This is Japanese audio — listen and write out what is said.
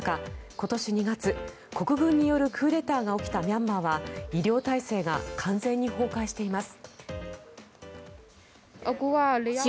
今年２月、国軍によるクーデターが起きたミャンマーでは医療体制が完全に崩壊しています。